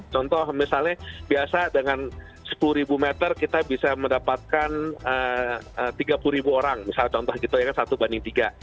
contoh misalnya biasa dengan sepuluh meter kita bisa mendapatkan tiga puluh ribu orang misalnya contoh gitu ya kan satu banding tiga